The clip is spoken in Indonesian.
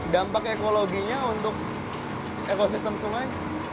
dampak ekologinya untuk ekosistem sungai